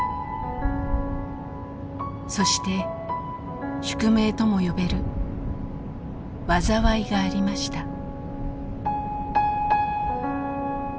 そして宿命とも呼べる災いがありました。